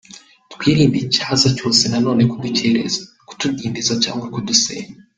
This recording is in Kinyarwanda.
Twirinde icyaza cyose na none kudukereza, kutudindiza cyangwa kudusenya.